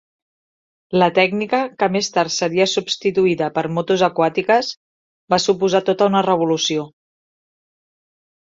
La tècnica, que més tard seria substituïda per motos aquàtiques, va suposar tota una revolució.